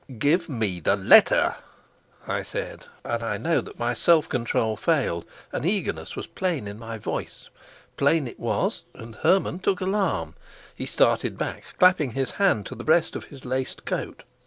"Give me the letter," I said; and I know that my self control failed, and eagerness was plain in my voice. Plain it was, and Hermann took alarm. He started back, clapping his hand to the breast of his laced coat.